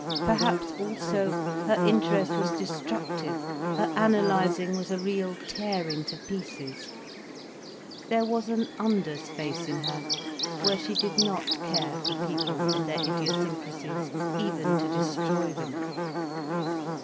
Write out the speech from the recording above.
Perhaps also her interest was destructive, her analysing was a real tearing to pieces. There was an under space in her where she did not care for people and their idiosyncracies, even to destroy them.